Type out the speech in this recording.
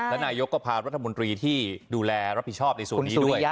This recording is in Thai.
และนายกก็พารัฐมนตรีที่ดูแลรับผิดชอบในส่วนนี้ด้วย